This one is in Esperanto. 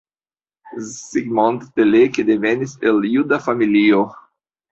Zsigmond Teleki devenis el juda familio.